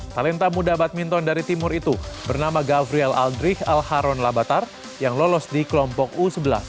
talentamu dabat minton dari timur itu bernama gavriel aldrich alharon labatar yang lolos di kelompok u sebelas